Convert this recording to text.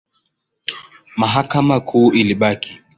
Mahakama Kuu ilibaki.